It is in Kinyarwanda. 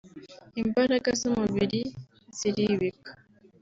imbaraga z’umubiri ziribika